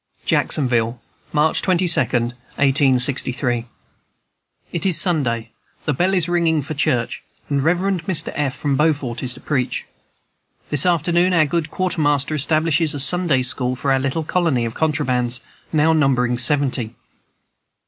"JACKSONVILLE, March 22, 1863. "It is Sunday; the bell is ringing for church, and Rev. Mr. F., from Beaufort, is to preach. This afternoon our good quartermaster establishes a Sunday school for our little colony of 'contrabands,' now numbering seventy.